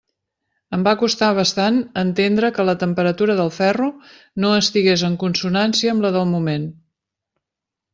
Em va costar bastant entendre que la temperatura del ferro no estigués en consonància amb la del moment.